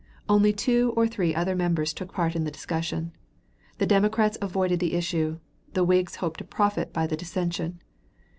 Only two or three other members took part in the discussion; the Democrats avoided the issue; the Whigs hoped to profit by the dissension.